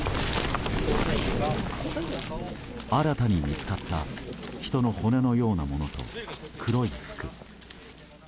新たに見つかった人の骨のようなものと黒い服。